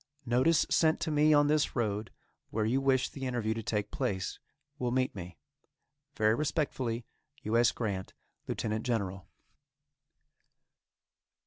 Notice sent to me on this road where you wish the interview to take place, will meet me. Very respectfully. U. S. GRANT, Lieutenant General.